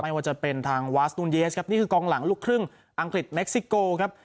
ไม่ว่าจะเป็นทางวาทสตูนเยสอังกฤษมาเมริกา